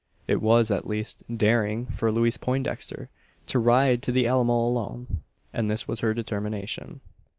It was, at least, daring, for Louise Poindexter to ride to the Alamo alone; and this was her determination.